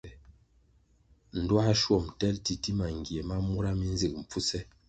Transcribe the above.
Ndtuāschwom tel titima ngie ma mura mi nzig mpfuse.